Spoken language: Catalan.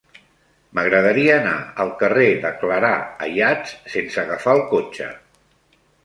M'agradaria anar al carrer de Clarà Ayats sense agafar el cotxe.